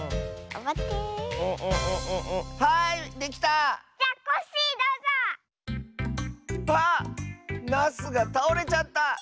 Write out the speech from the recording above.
あっナスがたおれちゃった！